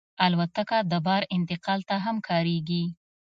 الوتکه د بار انتقال ته هم کارېږي.